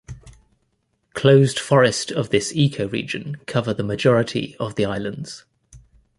Closed forest of this ecoregion cover the majority of the islands.